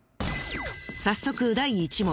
早速第１問。